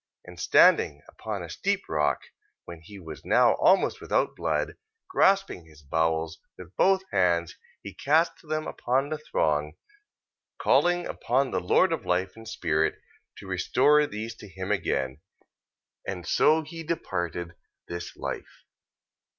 And standing upon a steep rock, when he was now almost without blood, grasping his bowels, with both hands he cast them upon the throng, calling upon the Lord of life and spirit, to restore these to him again: and so he departed this life.